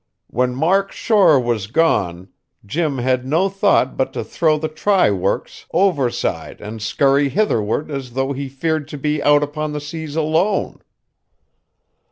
When Mark Shore was gone ... Jim had no thought but to throw the try works overside and scurry hitherward as though he feared to be out upon the seas alone."